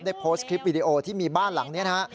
โพสต์คลิปวิดีโอที่มีบ้านหลังนี้นะฮะ